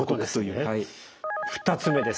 ２つ目です。